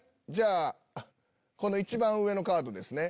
この一番上のカードですね。